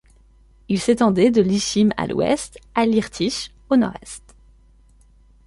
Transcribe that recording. Il s'étendait de l'Ichim à l'ouest, à l'Irtych au nord-est.